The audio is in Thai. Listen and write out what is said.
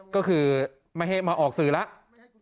ก็คือไม่ให้มาออกสื่อแล้ว